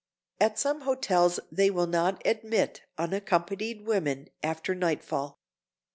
At some hotels they will not admit unaccompanied women after nightfall.